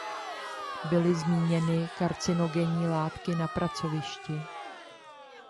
Byly zmíněny karcinogenní látky na pracovišti.